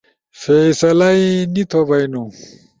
فیصلہ نی تھو بھئینو؟